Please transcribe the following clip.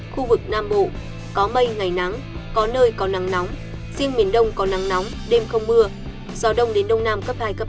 khu vực nam bộ có mây ngày nắng có nơi có nắng nóng riêng miền đông có nắng nóng đêm không mưa gió đông đến đông nam cấp hai bốn